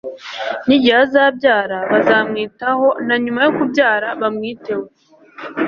nigihe azabyara bazamwitaho na nyuma yo kubyara bamwiteho